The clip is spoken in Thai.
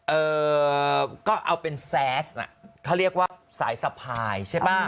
เออก็เอาเป็นแซสก็เรียกว่าสายสะพาย